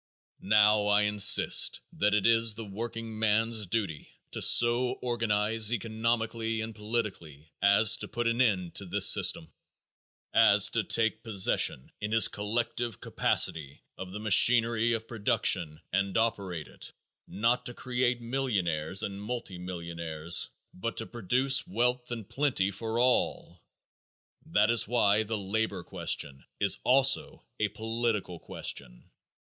Now I insist that it is the workingman's duty to so organize economically and politically as to put an end to this system; as to take possession in his collective capacity of the machinery of production and operate it, not to create millionaires and multi millionaires, but to produce wealth in plenty for all. That is why the labor question is also a political question.